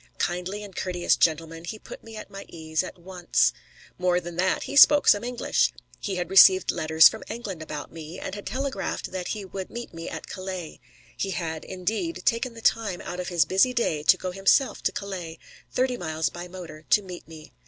A kindly and courteous gentleman, he put me at my ease at once. More than that, he spoke some English. He had received letters from England about me, and had telegraphed that he would meet me at Calais. He had, indeed, taken the time out of his busy day to go himself to Calais, thirty miles by motor, to meet me.